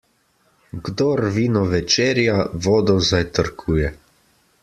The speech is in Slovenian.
Kdor vino večerja, vodo zajtrkuje.